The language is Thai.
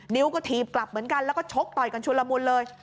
นิ้วก็ถีบกลับเหมือนกันแล้วก็ชกต่อยกันชุนละมุนเลย